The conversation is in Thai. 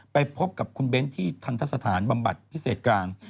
ไปพบกับคุณเบ้นที่ทันทสถานบำบัดพิเศษกลาง